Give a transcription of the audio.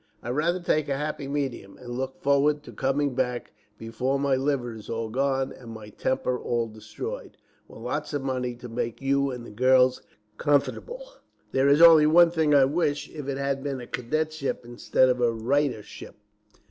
I'd rather take a happy medium, and look forward to coming back before my liver is all gone, or my temper all destroyed, with lots of money to make you and the girls comfortable. "There is only one thing. I wish it had been a cadetship, instead of a writership."